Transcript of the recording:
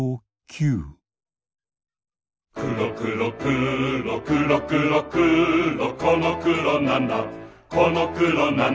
くろくろくろくろくろくろこのくろなんだこのくろなんだ